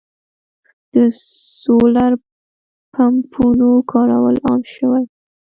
د سولر پمپونو کارول عام شوي.